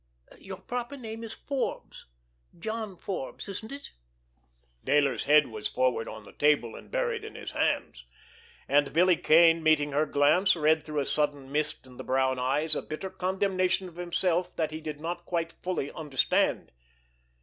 Your proper name is Forbes, John Forbes, isn't it?" Dayler's head was forward on the table, and buried in his hands. And Billy Kane, meeting her glance, read through a sudden mist in the brown eyes, a bitter condemnation of himself that he did not quite fully understand.